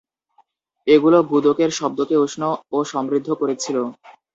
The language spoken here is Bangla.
এগুলো গুদোকের শব্দকে উষ্ণ ও সমৃদ্ধ করেছিল।